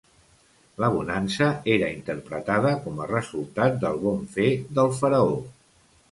La bonança era interpretada com a resultat del bon fer del faraó.